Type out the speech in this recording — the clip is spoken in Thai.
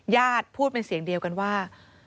ญาติพูดเป็นเสียงเดียวกันว่า